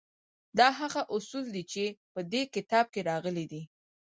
دا هغه اصول دي چې په دې کتاب کې راغلي دي